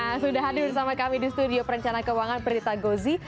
nah sudah hadir bersama kami di studio perencana keuangan prita gozi